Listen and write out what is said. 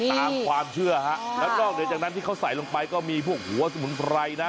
ตามความเชื่อฮะแล้วนอกเหนือจากนั้นที่เขาใส่ลงไปก็มีพวกหัวสมุนไพรนะ